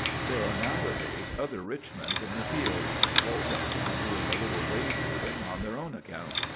There are nowadays other Richmonds in the field, all bent on doing a little wave ruling on their own account.